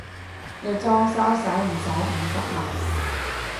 你裝修駛唔駛五十萬？